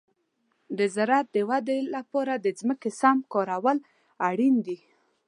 د زراعت د ودې لپاره د ځمکې سم کارول اړین دي.